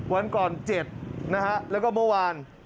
วันก่อน๗นะฮะแล้วก็เมื่อวาน